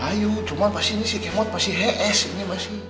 ayo cuman pasti ini si kemot pasti hs ini pasti